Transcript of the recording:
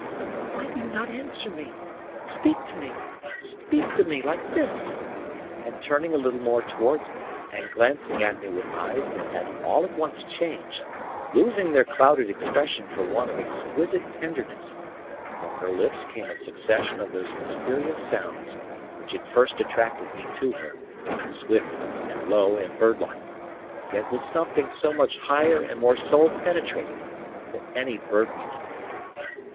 "Why do you not answer me? speak to me speak to me, like this!" And turning a little more towards me, and glancing at me with eyes that had all at once changed, losing their clouded expression for one of exquisite tenderness, from her lips came a succession of those mysterious sounds which had first attracted me to her, swift and low and bird like, yet with something so much higher and more soul penetrating than any bird music.